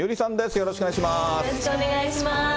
よろしくお願いします。